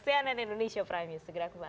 cnn indonesia prime news segera kembali